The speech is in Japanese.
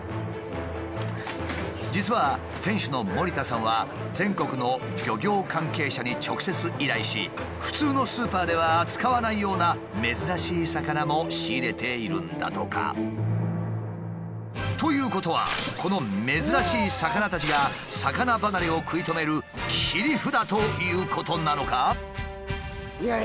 実は店主の森田さんは全国の漁業関係者に直接依頼し普通のスーパーでは扱わないような珍しい魚も仕入れているんだとか。ということはこの珍しい魚たちが魚離れを食い止める切り札ということなのか？